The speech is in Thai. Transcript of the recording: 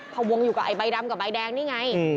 พอวงอยู่กับไอ้ใบดำกับใบแดงนี่ไง